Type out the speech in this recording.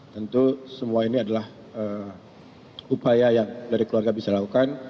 tentu semua ini adalah upaya yang dari keluarga bisa lakukan